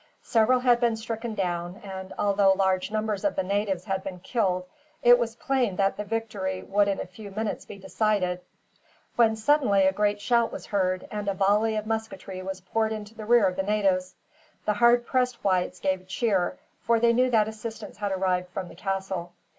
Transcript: Several had been stricken down and, although large numbers of the natives had been killed, it was plain that the victory would in a few minutes be decided; when suddenly a great shout was heard, and a volley of musketry was poured into the rear of the natives. The hard pressed whites gave a cheer, for they knew that assistance had arrived from the castle.